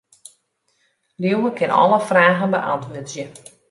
Liuwe kin alle fragen beäntwurdzje.